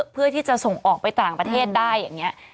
เพื่อที่จะส่งออกไปต่างประเทศได้อย่างนี้